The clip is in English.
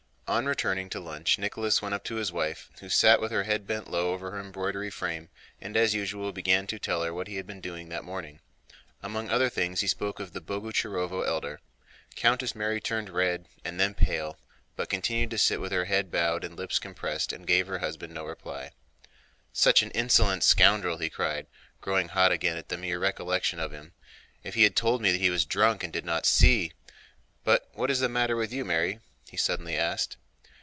On returning to lunch Nicholas went up to his wife, who sat with her head bent low over her embroidery frame, and as usual began to tell her what he had been doing that morning. Among other things he spoke of the Boguchárovo elder. Countess Mary turned red and then pale, but continued to sit with head bowed and lips compressed and gave her husband no reply. "Such an insolent scoundrel!" he cried, growing hot again at the mere recollection of him. "If he had told me he was drunk and did not see... But what is the matter with you, Mary?" he suddenly asked.